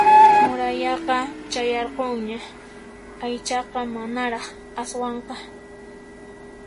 Murayaqa chayarqunñan aychaqa manaraq aswanqa